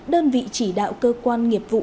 đơn vị chỉ đạo cơ quan nghiệp vụ